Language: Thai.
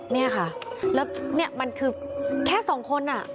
นี่ค่ะแล้วนี่มันคือแค่สองคน